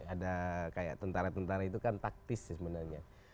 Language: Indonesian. ada kayak tentara tentara itu kan taktis sebenarnya